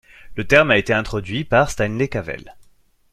Le terme a été introduit par Stanley Cavell.